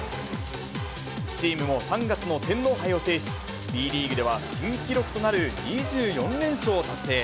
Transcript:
チームも３月の天皇杯を制し、Ｂリーグでは新記録となる２４連勝を達成。